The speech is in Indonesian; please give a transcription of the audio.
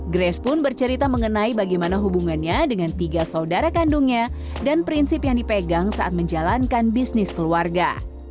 grace pun bercerita mengenai bagaimana hubungannya dengan tiga saudara kandungnya dan prinsip yang dipegang saat menjalankan bisnis keluarga